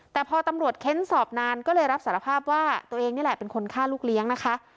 แต่พอตำรวจเค้นสอบนานก็เลยรับสารภาพว่าตัวเองนี่แหละเป็นคนฆ่าลูกเลี้ยงนะคะ